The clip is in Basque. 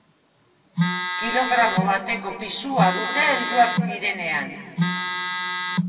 Kilogramo bateko pisua dute helduak direnean.